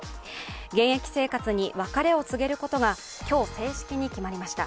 現役生活に別れを告げることが今日、正式に決まりました。